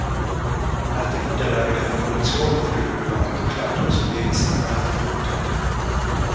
Nach der Niederlage der Revolution wurde Loewe angeklagt und zu lebenslanger Haft verurteilt.